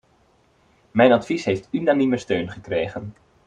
Mijn advies heeft unanieme steun gekregen.